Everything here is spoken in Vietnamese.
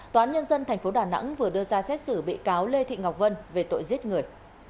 tòa án nhân dân tp đà nẵng vừa đưa ra xét xử bị cáo lê thị ngọc vân về tội giết người